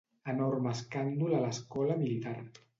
Enorme escàndol a l'escola militar.